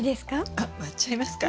あっ割っちゃいますか？